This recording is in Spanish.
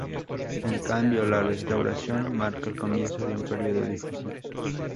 En cambio, la Restauración marca el comienzo de un período difícil.